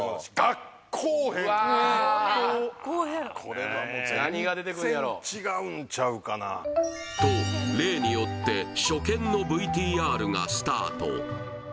「学校編」と例によって初見のＶＴＲがスタート